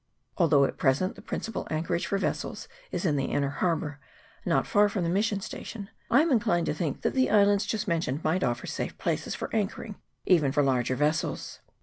Although at present the principal anchorage for vessels is in the inner harbour, not far from the mission station, I am inclined to think that the islands just mentioned might offer safe places for anchoring, even for larger vessels.